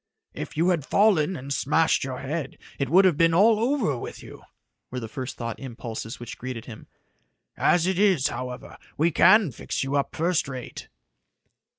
"If you had fallen and had smashed your head, it would have been all over with you," were the first thought impulses which greeted him. "As it is, however, we can fix you up first rate."